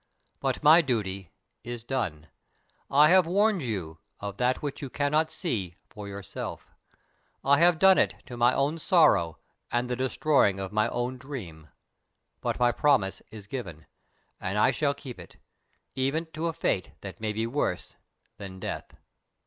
"But my duty is done. I have warned you of that which you cannot see for yourself. I have done it to my own sorrow and the destroying of my own dream; but my promise is given, and I will keep it, even to a fate that may be worse than death."